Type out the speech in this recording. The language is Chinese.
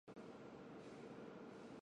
互信息是的期望值。